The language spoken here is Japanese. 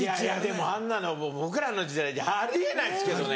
でもあんなの僕らの時代じゃあり得ないですけどね。